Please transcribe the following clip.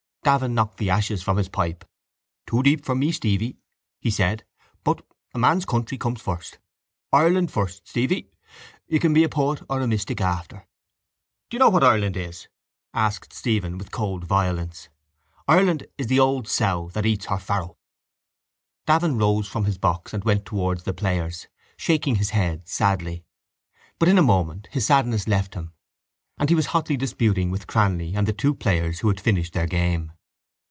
Davin knocked the ashes from his pipe. —Too deep for me, Stevie, he said. But a man's country comes first. Ireland first, Stevie. You can be a poet or a mystic after. —Do you know what Ireland is? asked Stephen with cold violence. Ireland is the old sow that eats her farrow. Davin rose from his box and went towards the players, shaking his head sadly. But in a moment his sadness left him and he was hotly disputing with Cranly and the two players who had finished their game.